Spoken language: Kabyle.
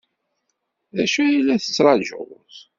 D acu ay la tettṛajuḍ?